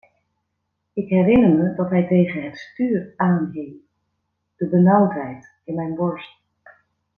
Ik herinner me dat hij tegen het stuur aanhing, de benauwdheid in mijn borst.